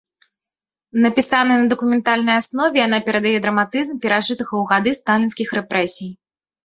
Напісаная на дакументальнай аснове, яна перадае драматызм перажытага ў гады сталінскіх рэпрэсій.